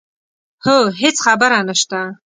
هو هېڅ خبره نه شته.